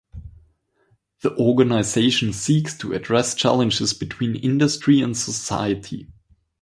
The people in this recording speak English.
The organization seeks to address challenges between industry and society.